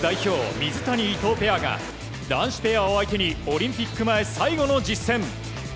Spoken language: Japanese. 水谷・伊藤ペアが男子ペアを相手にオリンピック前、最後の実戦。